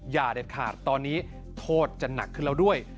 เด็ดขาดตอนนี้โทษจะหนักขึ้นแล้วด้วย